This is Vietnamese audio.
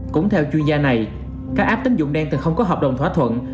cũng theo chuyên gia này các app tín dụng đen từ không có hợp đồng thỏa thuận